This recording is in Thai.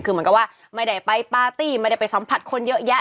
คือเหมือนกับว่าไม่ได้ไปปาร์ตี้ไม่ได้ไปสัมผัสคนเยอะแยะ